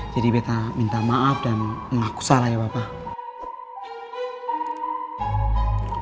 jadi beta minta maaf dan mengaku salah ya bapak